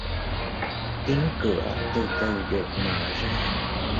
Kính cửa từ từ được mở ra